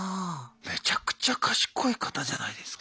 めちゃくちゃ賢い方じゃないですか。